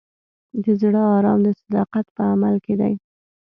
د زړه ارام د صداقت په عمل کې دی.